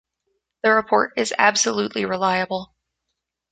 The report is absolutely reliable.